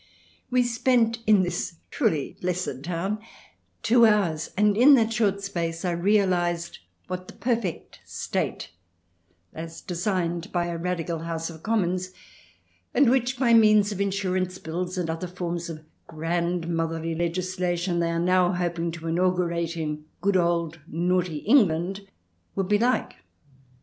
We spent in this truly blessed town two hours, and in that short space I realized what the perfect State, as designed by a Radical House of Commons, and which, by means of Insurance Bills and other forms of grandmotherly legislation they are now hoping to inaugurate in good old naughty England, would be like.